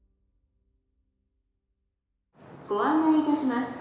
「ご案内いたします。